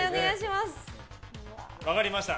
分かりました。